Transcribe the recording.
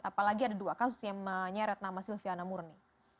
apalagi ada dua kasus yang menyeret nama silviana murni